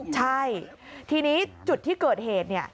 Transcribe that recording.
ใช่ทีนี้จุดที่เกิดเหตุ